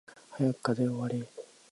早く課題終われ